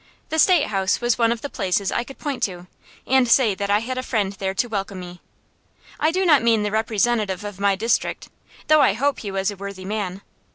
The State House was one of the places I could point to and say that I had a friend there to welcome me. I do not mean the representative of my district, though I hope he was a worthy man.